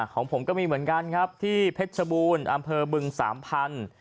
ของผมก็มีเหมือนกันครับที่เพชรชบูรณ์อำเภอบึงสามพันธุ์